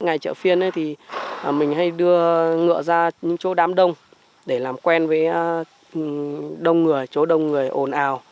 ngày chợ phiên thì mình hay đưa ngựa ra những chỗ đám đông để làm quen với đông người chỗ đông người ồn ào